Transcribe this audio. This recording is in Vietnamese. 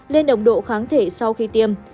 lên đồng độ kháng thể sau khi tiêm